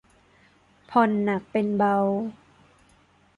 ผ่อนหนักเป็นเบา